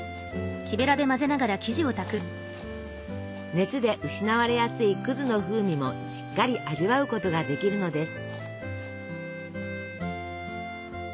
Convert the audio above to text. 熱で失われやすいの風味もしっかり味わうことができるのです。